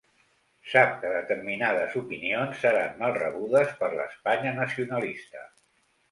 Sap que determinades opinions seran mal rebudes per l'Espanya nacionalista.